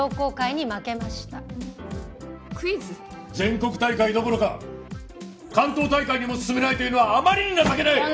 全国大会どころか関東大会にも進めないというのはあまりに情けない！